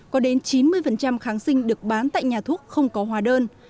có đến chín mươi kháng sinh được bán tại nhà thuốc không có hóa đơn